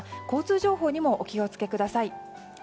交通情報にもお気を付けください。